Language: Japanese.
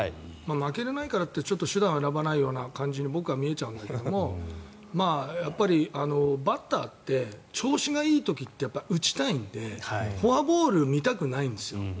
負けられないからといって手段を選ばないような感じに僕は見えちゃうんだけどバッターって調子がいい時って打ちたいんで、フォアボール見たくないんですよ。